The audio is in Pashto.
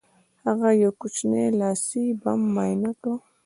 هغه یو کوچنی لاسي بم معاینه کړ